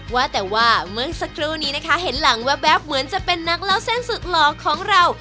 ว่าแต่ว่าเมื่อสักครู่นี้นะคะเห็นหลังแว๊บเหมือนจะเป็นนักเล่าเส้นสุดหล่อของเรา